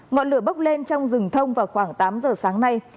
ngọn lửa bốc lên trong rừng thông vào khoảng tám giờ sáng nay